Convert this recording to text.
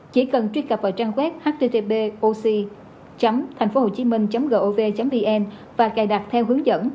chỉ cần truy cập vào trang web http oxy thf hc gov vn và cài đặt theo hướng dẫn